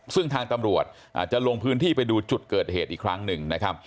ซึ่งทางตำรวจอาจจะลงพื้นที่ไปดูจุดเกิดเหตุอีกครั้งหนึ่งนะครับ